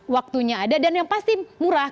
waktunya ada dan yang pasti murah